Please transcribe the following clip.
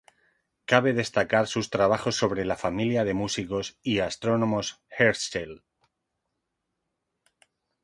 Cabe destacar sus trabajos sobre la familia de músicos y astrónomos Herschel.